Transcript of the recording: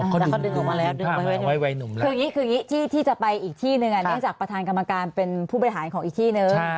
คืออย่างงี้ที่จะไปอีกที่นึงเนื่องจากประธานกรรมการเป็นผู้บริหารของอีกที่นึง